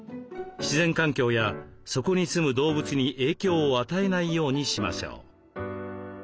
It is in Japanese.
自然環境やそこに住む動物に影響を与えないようにしましょう。